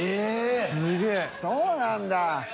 そうなんだ。